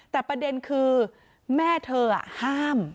แต่ประเด็นคือแม่เธอห้าม